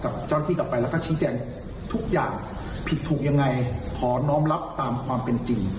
เจ้าหน้าที่กลับไปแล้วก็ชี้แจงทุกอย่างผิดถูกยังไงขอน้องรับตามความเป็นจริง